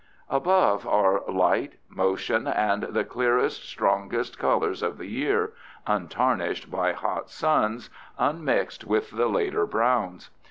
Above are light, motion, and the clearest, strongest colors of the year, untarnished by hot suns, unmixed with the later browns.